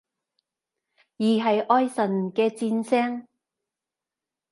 而係愛神嘅箭聲？